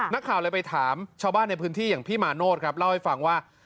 นักข่าวเลยไปถามชาวบ้านในพื้นที่อย่างพี่มาโนธครับเล่าให้ฟังว่า